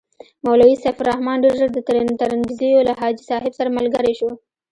مولوي سیف الرحمن ډېر ژر د ترنګزیو له حاجي صاحب سره ملګری شو.